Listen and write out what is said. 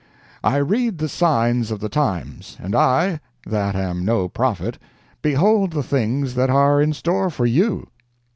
"I read the signs of the times, and I, that am no prophet, behold the things that are in store for you.